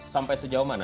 sampai sejauh mana